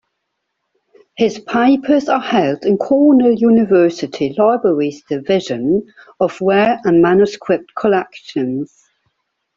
His papers are held in Cornell University Library's Division of Rare and Manuscript Collections.